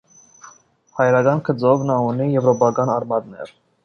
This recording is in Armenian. Հայրական գծով նա ունի եվրոպական արմատներ։